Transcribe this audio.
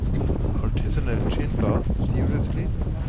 Artisanal gin bar, seriously?!